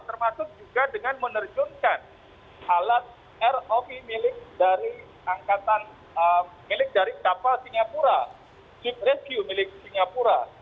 termasuk juga dengan menerjunkan alat rov milik dari kapal singapura keep rescue milik singapura